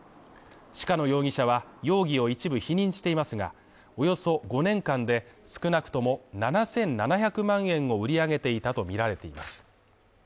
鹿野容疑者は容疑を一部否認していますが、およそ５年間で少なくとも７７００万円を売り上げていたとみられています。